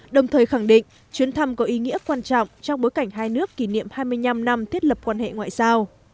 đồng thời khẳng định chuyến thăm có ý nghĩa quan trọng trong bối cảnh hai nước kỷ niệm hai mươi năm năm thiết lập quan hệ ngoại giao